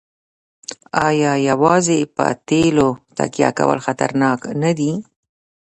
آیا یوازې په تیلو تکیه کول خطرناک نه دي؟